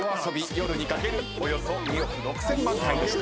『夜に駆ける』およそ２億６，０００万回でした。